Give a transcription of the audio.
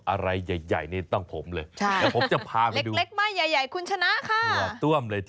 อะไรใหญ่นี่ต้องผมเลย